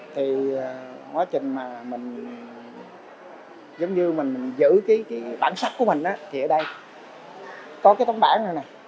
khi mình giữ bản sách của mình thì ở đây có tấm bản